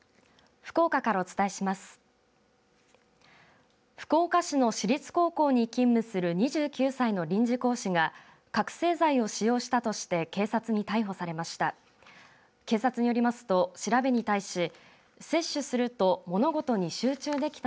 福岡市の市立高校に勤務する２９歳の臨時講師が覚醒剤を使用したとして警察に逮捕されました。